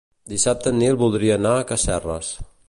Dissabte en Nil voldria anar a Casserres.